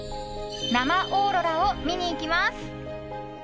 生オーロラを見に行きます。